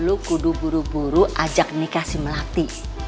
lalu kudu buru buru ajak nikah si melati